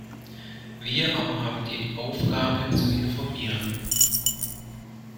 Wir aber haben die Aufgabe, zu informieren.